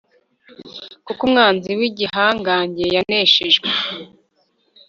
kuko umwanzi w'igihangange yaneshejwe